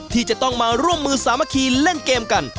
ที่จะต้องมาร่วมมือสามัคคีเล่นเกมกัน